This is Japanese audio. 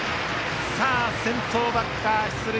先頭バッター、出塁。